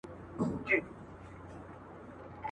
له قاضي تر احوالداره له حاکم تر پیره داره.